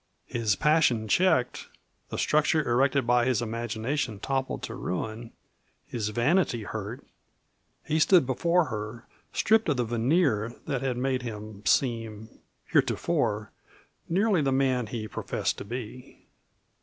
His passion checked, the structure erected by his imagination toppled to ruin, his vanity hurt, he stood before her stripped of the veneer that had made him seem, heretofore, nearly the man he professed to be.